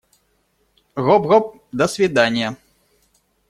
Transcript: Гоп-гоп, до свиданья!